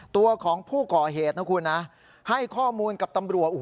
ตัวของผู้ก่อเหตุนะคุณนะให้ข้อมูลกับตำรวจ